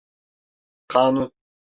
Kanun…